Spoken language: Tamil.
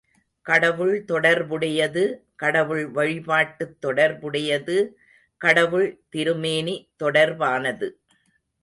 கடவுள் தொடர்புடையது கடவுள் வழிபாட்டுத் தொடர்புடையது கடவுள் திருமேனி தொடர்பானது.